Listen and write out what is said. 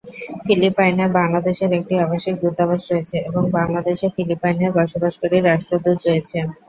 ফিলিপাইনে বাংলাদেশের একটি আবাসিক দূতাবাস রয়েছে এবং বাংলাদেশে ফিলিপাইনের বসবাসকারী রাষ্ট্রদূত রয়েছে।